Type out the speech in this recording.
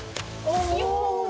お！